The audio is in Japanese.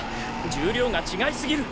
重量が違いすぎる。